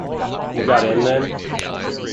You got in, then?